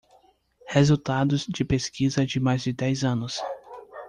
Resultados de pesquisa de mais de dez anos